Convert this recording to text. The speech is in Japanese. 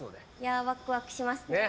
ワクワクしますね。